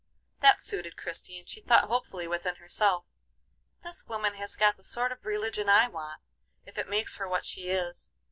That suited Christie, and she thought hopefully within herself: "This woman has got the sort of religion I want, if it makes her what she is.